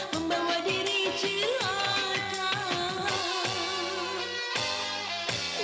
membawa diri jelaka